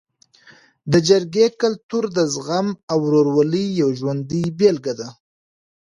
د جرګې کلتور د زغم او ورورولۍ یو ژوندی بېلګه ده.